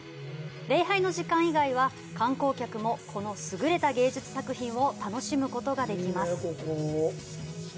礼拝の時間以外は観光客もこの優れた芸術作品を楽しむことができます。